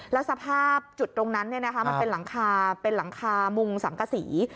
แล้วสภาพจุดตรงนั้นมันเป็นหลังคามุงสามกะสี